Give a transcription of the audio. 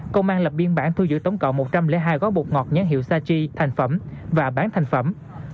công an lập biên bản thu giữ tổng cộng một trăm linh hai gói bột ngọt nhán hiệu sachi thành phẩm và bán thành phẩm